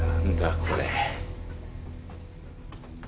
これ。